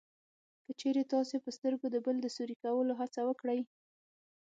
که چېرې تاسې په سترګو د بل د سوري کولو هڅه وکړئ